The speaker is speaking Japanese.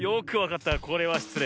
これはしつれい。